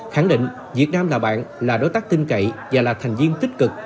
khẳng định việt nam là bạn là đối tác tin cậy và là thành viên tích cực